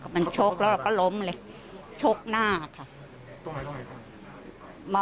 มันชกแล้วเราก็ล้มเลยชกหน้าค่ะ